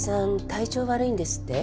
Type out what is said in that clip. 体調悪いんですって？